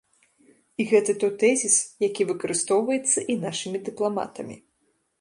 І гэта той тэзіс, які выкарыстоўваецца і нашымі дыпламатамі.